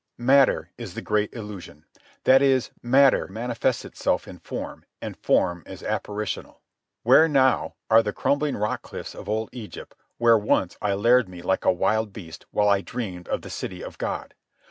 Matter is the great illusion. That is, matter manifests itself in form, and form is apparitional. Where, now, are the crumbling rock cliffs of old Egypt where once I laired me like a wild beast while I dreamed of the City of God?